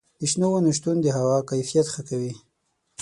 د شنو ونو شتون د هوا کیفیت ښه کوي.